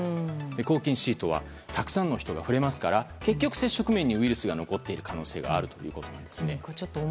抗菌シートはたくさんの人が触れますから結局、接触面にウイルスが残っている可能性があるということですね。